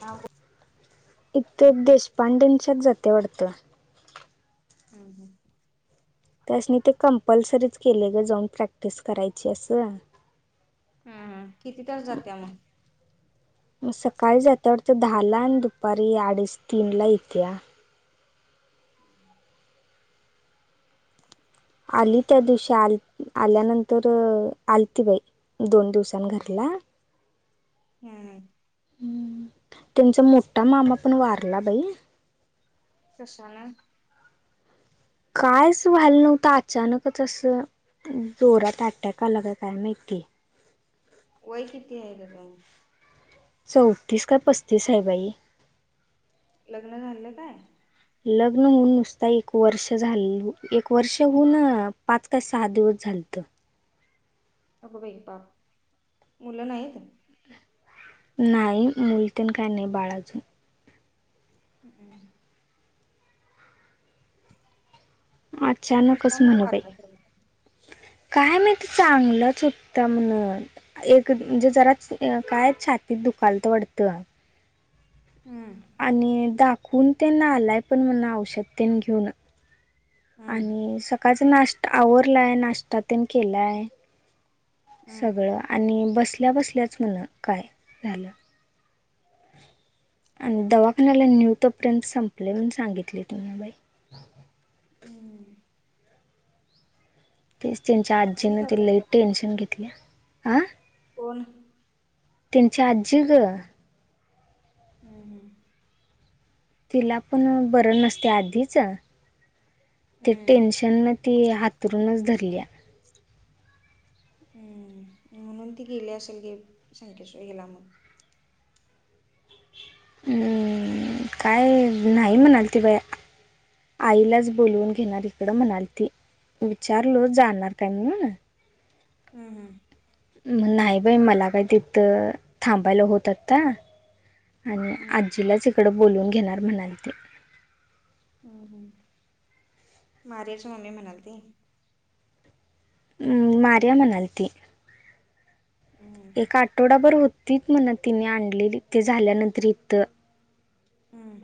हा बर इथे देशपांडेच्या जाते वाटतं हं हं त्यासनी ते कंम्पल्सरिच केलंय ग जाऊन प्रॅक्टिस करायची असं. हं हं किती तास जातीया मग? मग सकाळी जात्यावरती दहाला आणि दुपारी अडीच तीनला येतीया. आली त्या दिवशी आल आल्यानंतर आलती बाई. दोन दिवसांन घरला. हं हं हंम्म त्यांचा मोठा मामा पण वारला बई. कशानं? कायच व्हायला नव्हतं अचानकचसं जोरात अटॅक आला का काय माहिती. वय किती आहे ग बाई चौतीस काय पस्तीस आहे बाई. लग्न झालं काय. लग्न होऊन नुसता एक वर्ष झाल एक वर्ष होन पाच का सहा दिवस झालत. अगं बाई पाप, मुलं नाहीत. नाही मुल तेन काय नाही म्हणून बाळ अजून. उ हम्म अचानकच कशामुळे म्हण बाई वारला तो? काय माहिती चांगलच होता म्हण एक म्हणजे जराच काय छातीत दुखालतं वाटतं ह्म्म. आणि दाखवून तेन आलाय पण म्हण औषध तेन घेऊन हम्म आणि सकाळच नाश्टा आवरलाय नाश्टा तेन केलाय हम्म सगळं आणि बसल्या बसल्याच म्हण काय झालं आणि दवाखान्याला नेऊ तो पर्यंत संपले म्हणून सांगितले तुमी बाई हम्म तेच त्यांच्या आजी आजीनं काय ती लय करते टेन्शन घेतले हं कोण त्यांच्या आजी गं हम्म हम्म. तिला पण बरं नसते आधीच ते हम्म टेन्शन न ती हाथरूनच धरलीया हम्म हम्म म्हणून ती गेली असेल गे संखेश्वरीला म हम्म काय नाही हम्म म्हणाली ती बया आईलाच बोलवून घेणार इकडं म्हणाली होती विचारलो जाणार काय म्हणून हं हं नाही बई मला काय तिथं थांबायला होत आत्ता आणि हम्म आजीलाच इकडं बोलवून घेणार म्हणालती हम्म हम्म मग आर्याची मम्मी म्हणालती अं मार्या म्हणालती हम्म एका आठवडाभर होतीत म्हण त्यांनी आणलेलीत ते झाल्यानंतर इथं हम्म.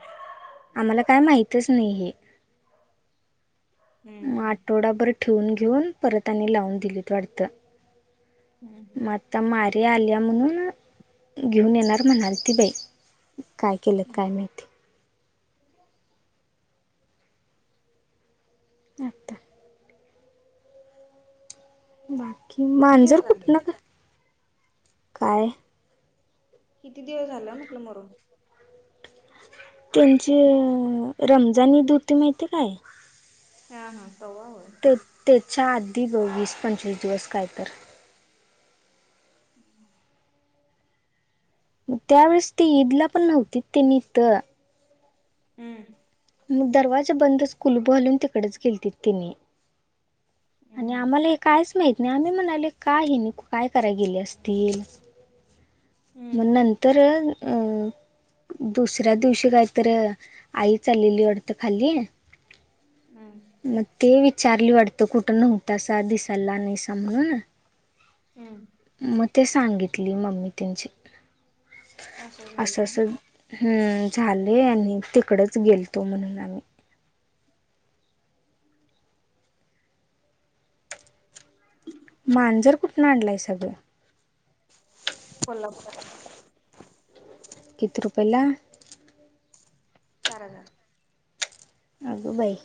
आम्हाला काय माहितच नाही हे म हम्म आठवडाभर ठेवून घेऊन परत आणून लावून दिलीत वाटतं हम्म. म आता मार्या आल्या म्हणून घेऊन येणार म्हणालती बाई काय केलत काय हम्म माहिती अत्ता बाकी किती मांजर दिवस झाले कुठन गं काय? किती दिवस झालं म्हटलं मरुन? त्यांची अ रमजान ईद होती माहितीये काय? आ हा तव्हा होय ते त्याच्या आधी गं वीस पंचवीस दिवस काय तर [inaudible] म त्यावेेळेस ती ईदला पण नव्हती त्यांनी इथं हम्म. मग दरवाजा बंदच कुलूप घालून तिकडच गेलतीत त्यांनी आणि हम्म आम्हाला हे काहिच माहीत नाही आम्ही म्हणालोय का हेनी काय कराय गेली असतील? म हम्म नंतर अ दुसऱ्या दिवशी काय तर आई चाललेली वाटतं खाली हं. म ते विचारली वाटत कुठंन होत अस दिवसाला आणि अस म्हणून हम्म म ते सांगितली मम्मी त्यांची असं असेल हम्म झाले आणि तिकडच गेलतो म्हणून आम्ही. ह [inaudible] मांजर कुठूनं आणलाय सगळं? कोल्हापुरात किती रुपयला? चार हजार अगं बाई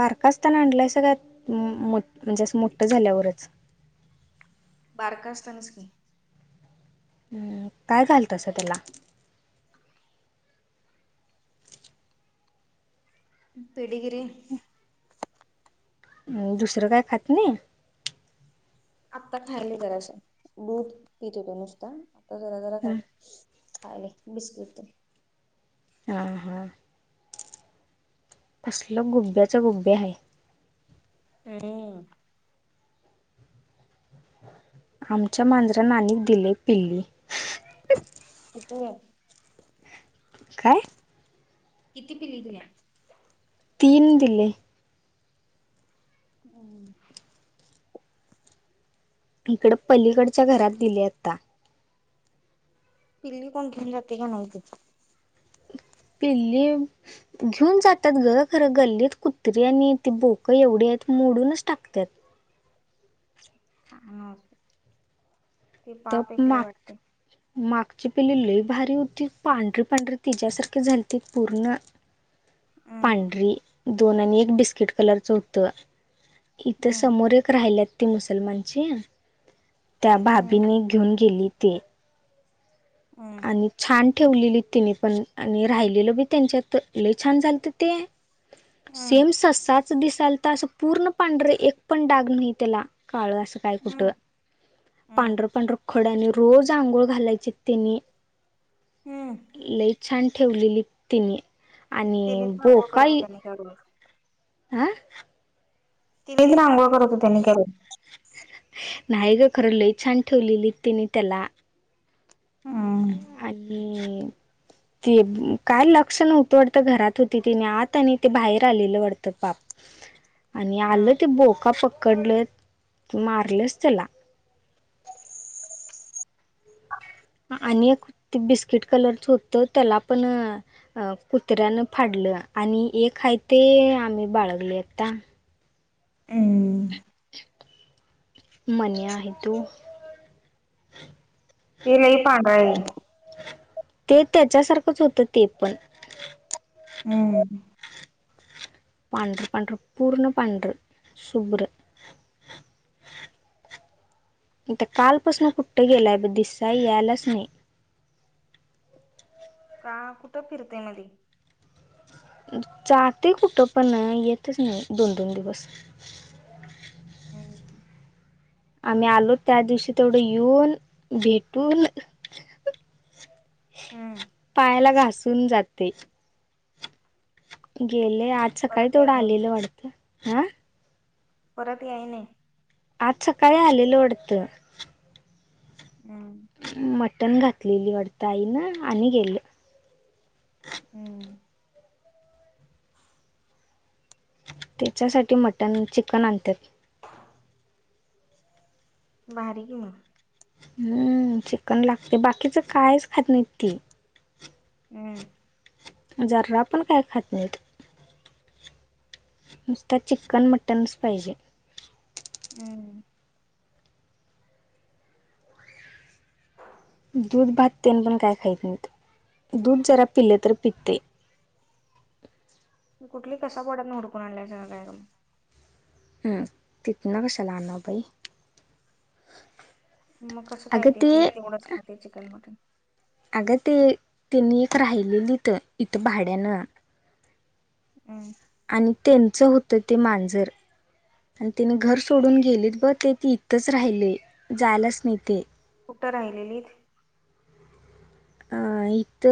बारकास्ताना आणलंय सगळत म मो म्हणजे असं मोठं झाल्यावरच. बारका असतानाच की. हम्म काय घालतं असं त्याला? पेडीगिरी हम्म दुसरं काय खात नाही? आत्ता खायली जरासा दूध पित होत नुसता आता जरा जरा काय खायले बिस्किट तर हा हा. तसलं गुब्याचा गुब्या आहे. [unintelligible] आमच्या मांजरा नाणी दिले पिल्ली. किती व्हय? काय किती पिल्ली दिल्या? तीन दिले. हम्म. तिकडे पलीकडच्या घरात दिले आता. पिल्ली कोण घेऊन जाते काय माहिते? पिल्ली घेऊन जातात खरं गल्लीत कुत्री आणि ती बोकं एवढी आहेत मोडूनच टाकत्यात. खानं असे तप वाटतंय माग मागची पिल्ली लई भारी होती पांढरी-पांढरी तिच्यासारखे झालीती पूर्ण हम्म पांढरी दोन आणि एक बिस्किट कलरचं होतं इथे हम्म समोर ए क राहिल्यात ती मुसलमानची त्या हम्म भाभीने घेऊन गेली ते. हम्म. आणि छान ठेवलेली तिने पण आणि राहिलेलं बी त्यांच्या त लई छान झालते ते. हम्म सेम सस्सा चं दिसालता असं पूर्ण पांढरे एक पण डाग नाही त्याला काळं असं काय हम्म कुठं हम्म पांढरं पांढरं खड्याने रोज आंघोळ घालायचे त्यांनी. हम्म. लई छान ठेवलेली तिने आणि तिनेच रांगोळ बोका ही [unintelligible] हां तिने म्हणे आंगोळ करतो त्यांनी मी काय. [unintelligible] नाही गं खरं लई छान ठेवलेली तिने त्याला. हम्म आलीय ती काय लक्ष नव्हतं वाटतं घरात होती तिने आत आणि ते बाहेर आलेलं वाटतं पाप आणि आलं ते बोका पकडलं मारलंच त्याला. आणि एक ते बिस्किट कलरचं होतं त्याला पण अ कुत्र्यानं फाडलं आणि एक हाय ते आम्ही बाळगले आता. हम्म मन्या आहे तो. ते लई [unintelligible] हाय. ते त्याच्यासारखंच होतं ते पण. हम्म. पांढरे पांढरे पूर्ण पांढरे शुभ्र. त कालपसनं कुठं गेलाय ब दिसा यायलाच नाही. का कुठं फिरतेय मध्ये? जाते कुठं पण येतच नाही दोन-दोन दिवस. मग नाय आम्ही आलो त्या दिवशी तेवढं येऊन भेटून हम्म पायाला घासून जाते. गेले आज सकाळी परत याय तेवढं नाही आलेलं वाटतं हा. परत याई नाही. आज सकाळी आलेलो वढतं? हम्म. मटण घातलेली वाढतं आई ना आणि गेले. हम्म. त्याच्यासाठी मटण चिकन आणत्यात. [inaudible] भारी कि मग. हम्म चिकन लागतं बाकीचं कायच खात नाही ती. हम्म जर्रा पण काय खात नाहीत. नुसतं चिकन मटनच पाहिजे. हम्म. दूध भाततेन पण काय खायत नाहीत दूध जरा पिले तर पिते. मी कुठली कसा पोडयातनं उकुडून आणल्याय. [unintelligible] हम्म तिथनं कशाला आणावं बाई. मग कसं काय ते ते तेवढंच खाते चिकन मटन. अगं ते त्यांनी एक राहिलेलीत इथं भाड्यानं. उम आणि त्यांच होतं ते मांजर आणि तिनी घर सोडून गेलीत ब ते ती तचं राहिले जायलाच न तेे. कुठं राहिलेलीत? अ इथ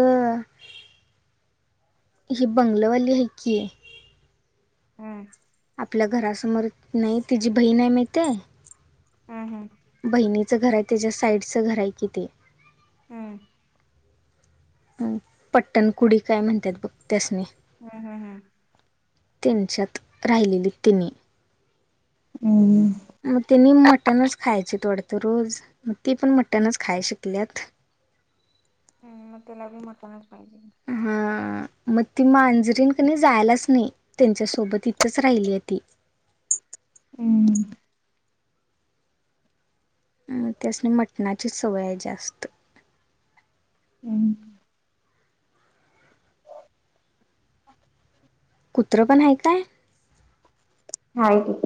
ही बंगलंवाली आहे की हम्म आपल्या घरासमोर नाही तिची बहीण नाही माहितेय? हम्म हम्म. बहिणीचं घर आहे त्याच्या साईडचं घर आहे कि ते. हम्म. हम्म पट्टणकुडी काय म्हणतात बघ त्यास नी हम्म हम्म हम्म. त्यांच्यात राहिलेली तिने. उम्म मग त्यांनी मटनच खायचे थोडत रोज मग ती पण मटनच खाय शिकल्यात. हम्म म त्याला बी मटणच पाहिजे. हा मग ती मांजरीन क नी जायलाच नाही. त्यांच्यासोबत इथंच राहिली आहे ती. हम्म. हा त्यास्नी मटणाचीच सवय हाय जास्त. हम्म. [unintelligible] कुत्रं पण हाय काय? हाय की.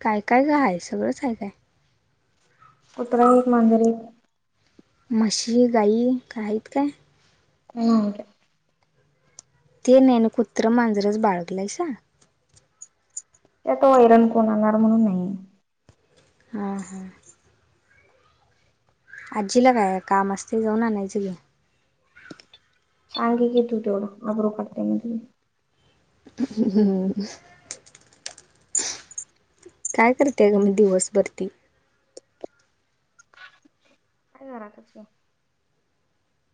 काय काय गं आहे सगळंच आहे हाय. कुत्र एक मांजर एक म्हशी, गाई का आहेत काय? [unintelligible] ते ज्ञान कुत्रं मांजरचं बाळगल्याल्या सा त्या तो ऐरण कोण आणणार म्हणून नाही. हा हा. आजीला काय काम असतयं जाऊन आणायचं की. सांग ये की तू तेवढं आब्रू काढतिया मग लई. अ हं हं हम्म काय करतिया ग मग दिवसभर ती. काय घरातच कि.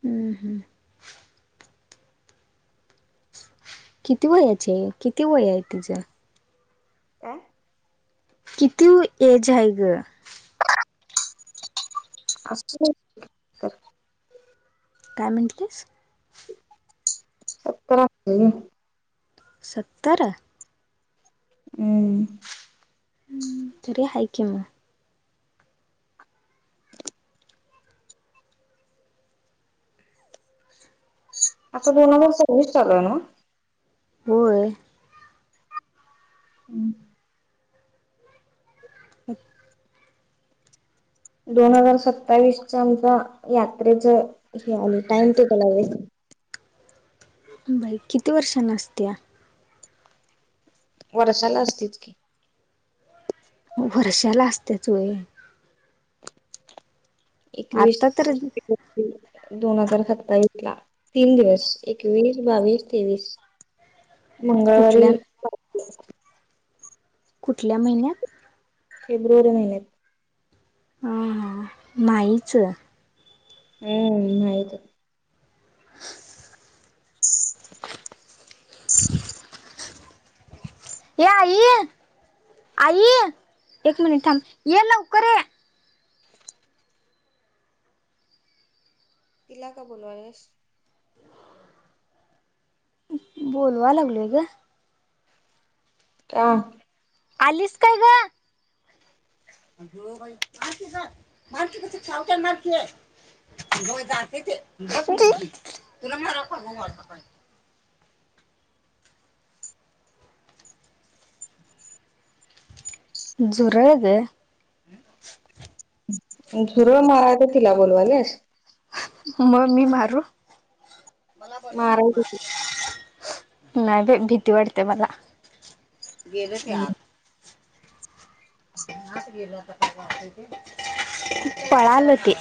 हम्म हम्म. किती वयाचीय किती वय आहे तिझं? काय? किती व एज हाय गं? असल एक सत्तर. काय म्हटलीस? सत्तर असल म्हटलं. सत्तर. हम्म. हम तरी हाय की म आता दोन हजार सव्वीस चालूय नव्हं. होय. हम्म. आत दोन हजार सत्तावीसचं आमचं यात्रेच हे आलयं टाइम टेबल आलयं. बाई किती वर्षांनं असतिया? वर्षाला असतिच की. वर्षाला असतियाच वय. एकवीस आता तर [unintelligible] दोन हजार सत्तावीेसला. तीन दिवस एकवीस बावीस तेवीस मंगळवारी कुठल्या कुठल्या महिन्यात? फेब्रुवारी महिन्यात. हा हा माहीच. हम्म माहिचं. [inaudible] [inaudible] ये आई आई एक मिनिट थांब ये लवकर ये. तिला का बोलवायलियास? बोलवाय लागलोय ग. का? आलीस काय ग? अग बाई मार कि ग मार कि ते साळू त्यानं मार कि. अग बाई जातय ते धा गेली ती तुला मारव पाहिला झुरळ गं. झुरळ माराय काय तिला बोलवाल्यास? मग मी मारू? मारायची नाही बाई भीती वाटत्या मला. गेलं ते की. आत. पळालं ते.